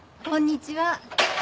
こんにちは。